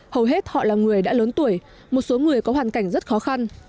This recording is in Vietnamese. hầu hết họ là người đã lớn tuổi một số người có hoàn cảnh rất khó khăn